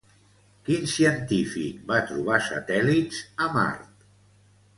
Quin científic va trobar satèl·lits a Mart?